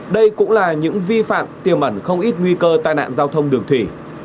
đây cũng là những vi phạm tiêu mẩn không ít nguy cơ tai nạn giao thông đường thủy